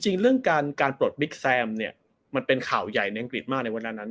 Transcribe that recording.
จริงเรื่องการปลดบิ๊กแซมเนี่ยมันเป็นข่าวใหญ่ในอังกฤษมากในวันนั้น